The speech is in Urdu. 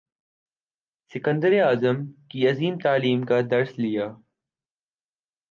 سکندر اعظم کی عظیم تعلیم کا درس لیا